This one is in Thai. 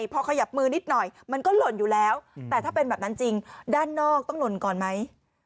พอขยับมือนิดหน่อยมันก็หล่นอยู่แล้วแต่ถ้าเป็นแบบนั้นจริงด้านนอกต้องหล่นก่อนไหม